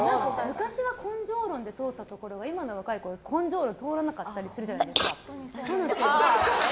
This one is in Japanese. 昔は根性論で通ったところが今の若い子たちは根性論が通らなかったりするじゃないですか。